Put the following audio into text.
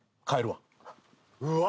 うわ。